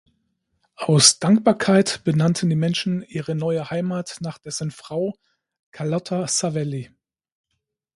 Aus Dankbarkeit benannten die Menschen ihre neue Heimat nach dessen Frau, Carlotta Savelli.